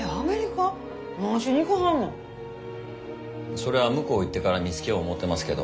それは向こう行ってから見つけよう思うてますけど。